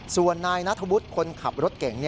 ส่วนนายนัทวุฒิคนขับรถเก่ง